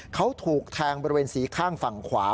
เขาถูกแทงบริเวณสีข้างฝั่งขวา